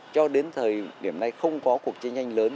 cho đến thời điểm này không có cuộc chiến tranh lớn